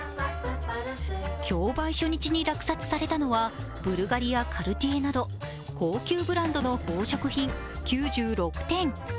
競売初日に落札されたのはブルガリやカルティエなど高級ブランドの宝飾品９６点。